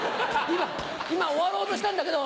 今終わろうとしたんだけど。